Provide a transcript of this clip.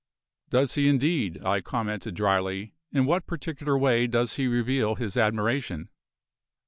"Does he, indeed?" I commented dryly. "In what particular way does he reveal his admiration?"